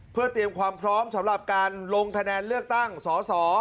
เพื่อเตรียมความพร้อมสำหรับการลงคะแนนเลือกตั้งสอสอ